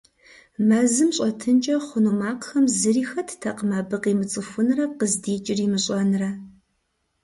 Мэзым щӏэтынкӏэ хъуну макъхэм зыри хэттэкъым абы къимыцӏыхунрэ къыздикӏыр имыщӏэнрэ.